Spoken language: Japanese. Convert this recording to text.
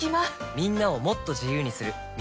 みんなをもっと自由にする「三菱冷蔵庫」